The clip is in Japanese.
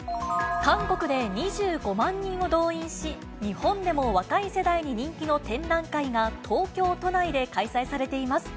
韓国で２５万人を動員し、日本でも若い世代に人気の展覧会が東京都内で開催されています。